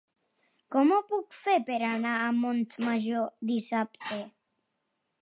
Com ho puc fer per anar a Montmajor dissabte?